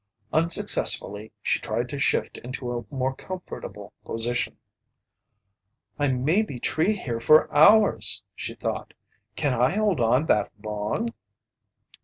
Unsuccessfully, she tried to shift into a more comfortable position. "I may be treed here for hours!" she thought. "Can I hold on that long?"